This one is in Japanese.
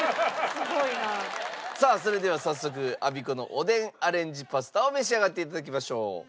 さあそれでは早速アビコのおでんアレンジパスタを召し上がって頂きましょう。